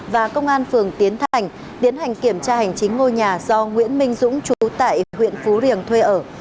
và công an phường tiến thành tiến hành kiểm tra hành chính ngôi nhà do nguyễn minh dũng chú tại huyện phú riềng thuê ở